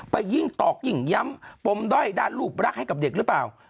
ยิ่งตอกยิ่งย้ำปมด้อยด้านรูปรักให้กับเด็กหรือเปล่า